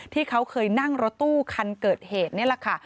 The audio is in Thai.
ที่เขาเคยนั่งรถตู้คันเกิดเหตุนี่แหละค่ะ